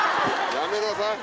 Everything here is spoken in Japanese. やめなさい。